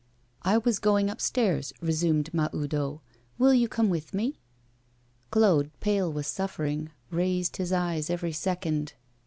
'I was going upstairs,' resumed Mahoudeau. 'Will you come with me?' Claude, pale with suffering, raised his eyes every second.